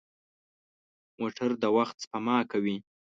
موټر د وخت سپما کوي.